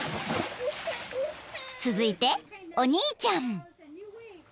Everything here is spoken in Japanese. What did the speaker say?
［続いてお兄ちゃん］